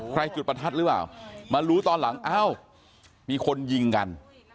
จุดประทัดหรือเปล่ามารู้ตอนหลังอ้าวมีคนยิงกัน